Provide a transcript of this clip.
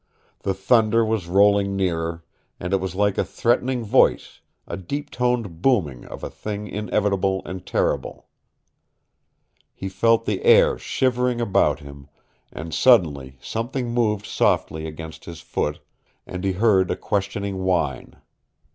The thunder was rolling nearer, and it was like a threatening voice, a deep toned booming of a thing inevitable and terrible. He felt the air shivering about him, and suddenly something moved softly against his foot, and he heard a questioning whine.